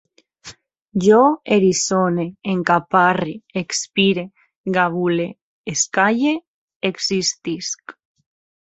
Jo eriçone, encaparre, expire, gabule, escalle, existisc